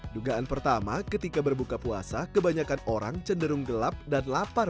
dugaan pertama ketika berbuka puasa kebanyakan orang cenderung gelap dan lapar